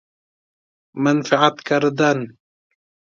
منفعت کردن